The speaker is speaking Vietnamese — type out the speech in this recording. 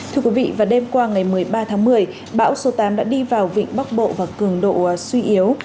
thưa quý vị vào đêm qua ngày một mươi ba tháng một mươi bão số tám đã đi vào vịnh bắc bộ và cường độ suy yếu